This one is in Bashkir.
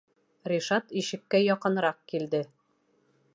Ришат ишеккә яҡыныраҡ килде: